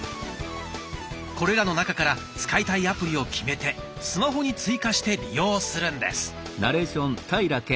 これらの中から使いたいアプリを決めてスマホに追加して利用するんです。